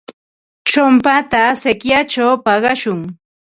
Chumpata sikyachaw paqashun.